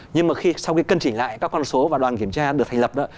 nhưng mà khi sau khi cân chỉnh lại các con số và đoàn kiểm tra được thành lập đó